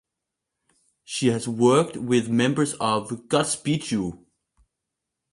She has worked with members of Godspeed You!